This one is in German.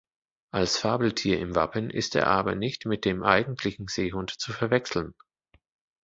Als Fabeltier im Wappen ist er aber nicht mit dem eigentlichen Seehund zu verwechseln.